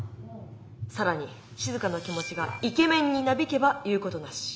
更にしずかの気持ちがイケメンになびけば言うことなし。